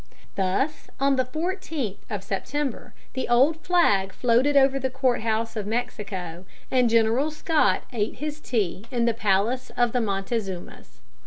Thus on the 14th of September the old flag floated over the court house of Mexico, and General Scott ate his tea in the palace of the Montezumas.